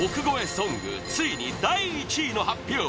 ソングついに第１位の発表